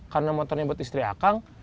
karena motornya buat istri akang